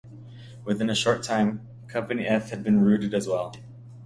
Within a short time, Company F had been routed as well.